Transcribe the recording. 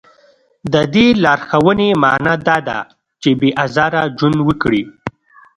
د دې لارښوونې معنا دا ده چې بې ازاره ژوند وکړي.